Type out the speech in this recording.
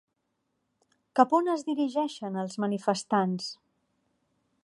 Cap on es dirigeixen els manifestants?